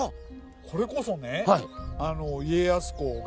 これこそね家康公が。